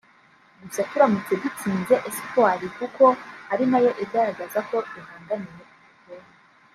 Gusa turamutse dutsinze Espoir kuko ari nayo igaragaza ko duhanganiye igikombe